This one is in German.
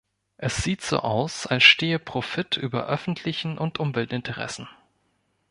Es sieht so aus, als stehe Profit über öffentlichen und Umweltinteressen.